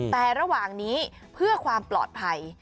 แต่ระหว่างนี้เพื่อความปลอดภัย